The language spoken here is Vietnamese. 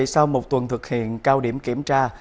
sau một tuần thực hiện cao điểm kiểm tra